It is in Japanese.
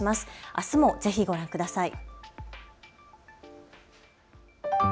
あすもぜひご覧ください。